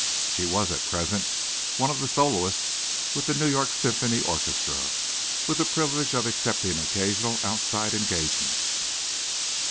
She was at present one of the soloists with the New York Symphony Orchestra, with the privilege of accepting occasional outside engagements.